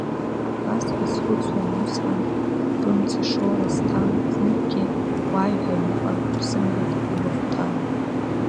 Ба сбызхәыцуан усҟан, бымцашоура сҭан, зныкгьы уааиҳәа аҩныҟа, бзымҳәеит, ибыхәҭан.